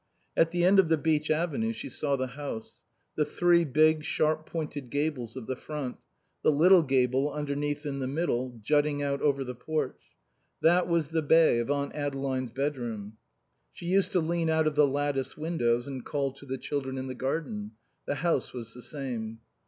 At the end of the beech avenue she saw the house; the three big, sharp pointed gables of the front: the little gable underneath in the middle, jutting out over the porch. That was the bay of Aunt Adeline's bed room. She used to lean out of the lattice windows and call to the children in the garden. The house was the same.